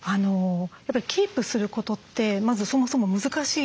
やっぱりキープすることってまずそもそも難しい。